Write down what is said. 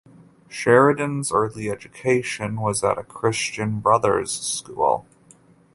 Sheridan's early education was at a Christian Brothers school.